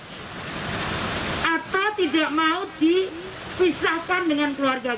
atau bahkan yang paling parah adalah kematian